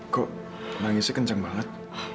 kok nangisnya kenceng banget